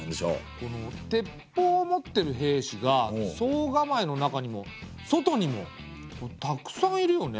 この鉄砲を持ってる兵士が惣構の中にも外にもたくさんいるよね。